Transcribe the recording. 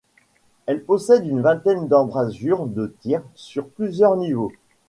Elle possède une vingtaine d'embrasures de tirs sur plusieurs niveaux.